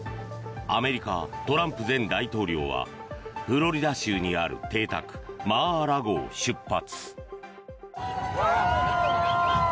アメリカ、トランプ前大統領はフロリダ州にある邸宅マー・ア・ラゴを出発。